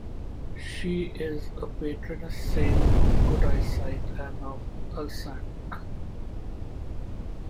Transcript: She is a patroness saint of good eyesight, and of Alsace.